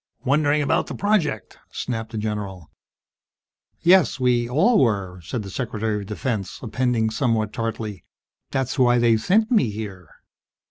"Wondering about the project!" snapped the general. "Yes. We all were," said the Secretary of Defense, appending somewhat tartly, "That's why they sent me here."